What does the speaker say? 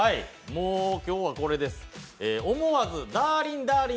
もう今日はこれです。